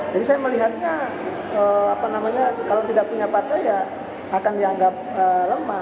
jadi saya melihatnya kalau tidak punya partai ya akan dianggap lemah